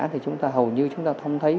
thì chúng ta hầu như chúng ta không thấy